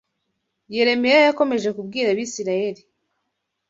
Yeremiya yakomeje kubwira Abisirayeli